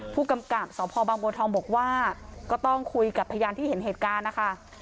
ผู้กำกับสพบางบัวทองบอกว่าก็ต้องคุยกับพยานที่เห็นเหตุการณ์นะคะ